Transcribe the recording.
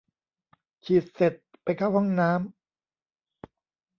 ฉีดเสร็จ ไปเข้าห้องน้ำ